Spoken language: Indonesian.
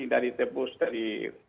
dari tepo seteri